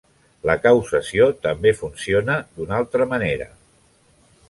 La causació també funciona d'una altra manera.